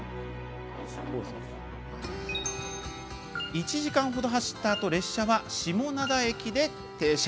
１時間程、走ったあと列車は下灘駅で停車。